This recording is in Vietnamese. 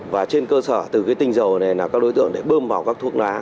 và trên cơ sở từ cái tinh dầu này là các đối tượng để bơm vào các thuốc lá